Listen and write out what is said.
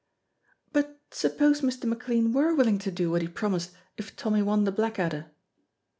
"But suppose Mr. McLean were willing to do what he promised if Tommy won the Blackadder?"